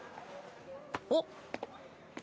おっ？